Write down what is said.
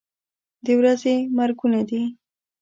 د ورځې مرګونه دي.